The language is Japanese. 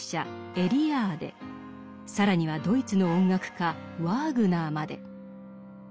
更にはドイツの音楽家ワーグナーまで。